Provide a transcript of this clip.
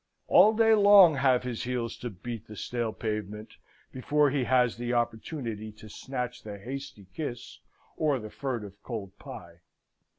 All day long have his heels to beat the stale pavement before he has the opportunity to snatch the hasty kiss or the furtive cold pie.